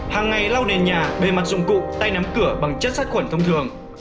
hàng ngày lau nền nhà bề mặt dụng cụ tay nắm cửa bằng chất sát khuẩn thông thường